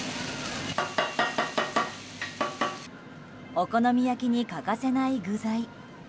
お好み焼きに欠かせない具材。